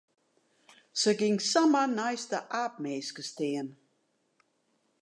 Se gyng samar neist de aapminske stean.